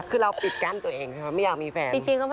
คือเราปิดกั้นตัวเองใช่ไหมไม่อยากมีแฟน